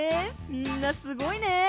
みんなすごいね！